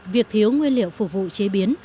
việc thiếu nguyên liệu phục vụ chế biến